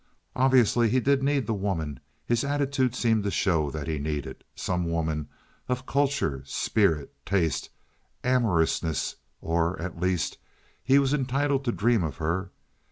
Obviously he did need the woman his attitude seemed to show that he needed, some woman of culture, spirit, taste, amorousness; or, at least, he was entitled to dream of her.